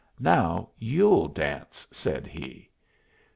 "Now you'll dance," said he.